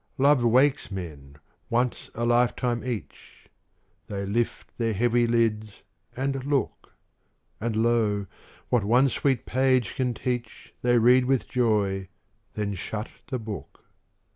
Love wakes men, once a lifetime each; They lift their heavy lids, and look; And, lo, what one sweet page can teach, They read with joy, then shut the book.